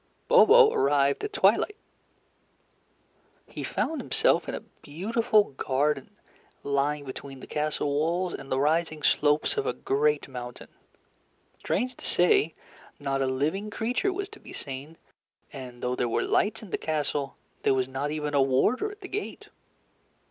Bobo arrived at twilight. He found himself in a beautiful garden, lying between the castle walls and the rising slopes of a great mountain. Strange to say, not a living creature was to be seen, and though there were lights in the castle, there was not even a warder at the gate.